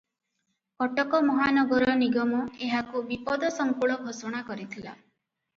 କଟକ ମହାନଗର ନିଗମ ଏହାକୁ ବିପଦସଂକୁଳ ଘୋଷଣା କରିଥିଲା ।